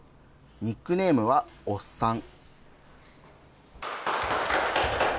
ニックネームはおっさん。